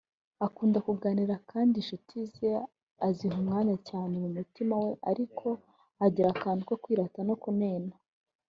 akunda kuganira kandi inshuti ze aziha umwanya cyane mu mutima we ariko agira akantu ko kwirata no kunena